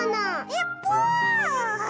えっぽぅ！